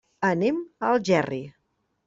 Anem a Algerri.